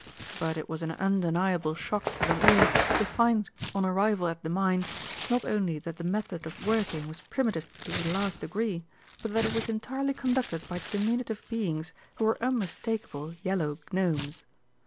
But it was an undeniable shock to them all to find, on arrival at the mine, not only that the method of working was primitive to the last degree, but that it was entirely conducted by diminutive beings who were unmistakable Yellow Gnomes.